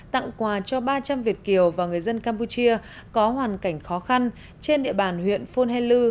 tặng quà cho ba trăm linh việt kiều và người dân campuchia có hoàn cảnh khó khăn trên địa bàn huyện phone lư